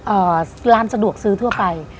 ร้านสะดวกซื้อทั่วไป